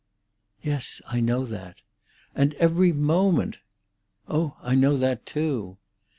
"Yes; I know that." "And every moment." "Oh, I know that too."